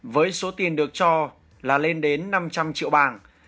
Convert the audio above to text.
với số tiền được cho là lên đến năm trăm linh triệu bảng